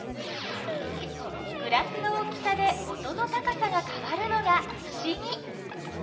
グラスの大きさで音の高さがかわるのがふしぎ！